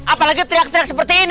apalagi teriak teriak seperti ini